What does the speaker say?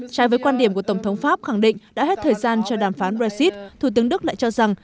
trái với quan điểm của tổng thống pháp khẳng định đã hết thời gian cho đàm phán brexit thủ tướng đức lại cho rằng